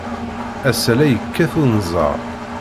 Ass-a, la yekkat unẓar.